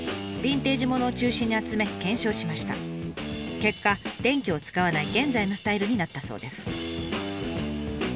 結果電気を使わない現在のスタイルになったそうです。